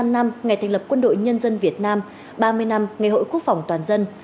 bảy mươi năm năm ngày thành lập quân đội nhân dân việt nam ba mươi năm ngày hội quốc phòng toàn dân